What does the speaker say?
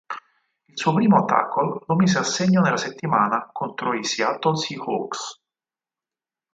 Il suo primo tackle lo mise a segno nella settimana contro i Seattle Seahawks.